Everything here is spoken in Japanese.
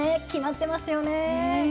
決まってますよね。